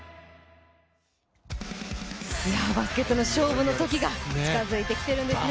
バスケットの勝負の時が近づいてきているんですね。